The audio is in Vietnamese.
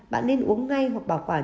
bạn nên uống ngay hoặc bảo quản